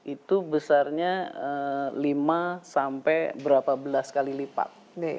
itu besarnya lima sampai berapa belas kali lipat